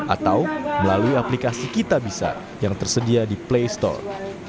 atau melalui aplikasi kita bisa yang tersedia di playstore